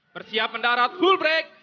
bersiap mendarat full break